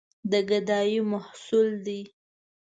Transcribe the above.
د ګدايي محصول ده.